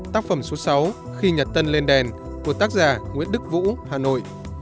tác phẩm số sáu khi nhật tân lên đèn của tác giả nguyễn đức vũ hà nội